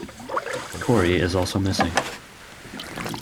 Cory is also missing.